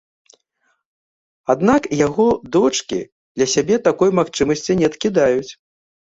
Аднак яго дочкі для сябе такой магчымасці не адкідаюць.